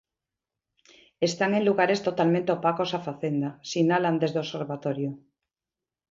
Están en lugares totalmente opacos a Facenda, sinalan desde o Observatorio.